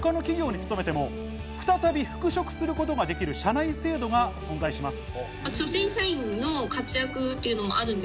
ワコールには退職し、他の企業に勤めても、再び復職することができる社内制度が存在します。